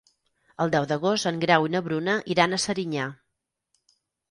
El deu d'agost en Grau i na Bruna iran a Serinyà.